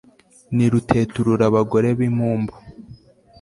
Ni ruteturura abagore bimpumbu